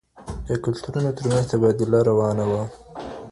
د کلتورونو ترمنځ تبادله روانه وه.